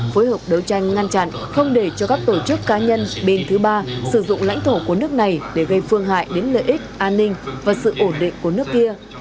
phối hợp đấu tranh ngăn chặn không để cho các tổ chức cá nhân bên thứ ba sử dụng lãnh thổ của nước này để gây phương hại đến lợi ích an ninh và sự ổn định của nước kia